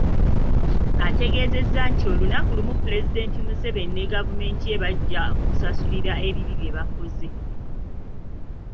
Ategeezezza nti olunaku lumu Pulezidenti Museveni ne gavumenti ye bajja kusasulira ebibi bye bakoze.